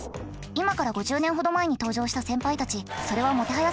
今から５０年ほど前に登場した先輩たちそれはもてはやされたそうです。